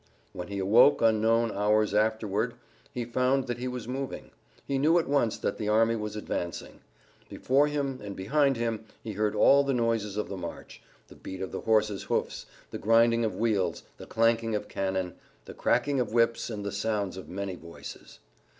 When he awoke unknown hours afterward he found that he was moving. He knew at once that the army was advancing. Before him and behind him he heard all the noises of the march, the beat of horses' hoofs, the grinding of wheels, the clanking of cannon, the cracking of whips and the sounds of many voices.